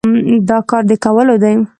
دا کار د کولو دی؟